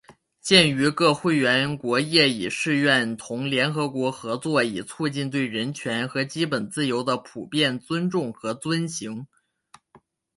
鉴于各会员国业已誓愿同联合国合作以促进对人权和基本自由的普遍尊重和遵行